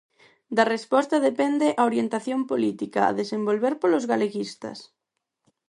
Da resposta depende a orientación política a desenvolver polos galeguistas.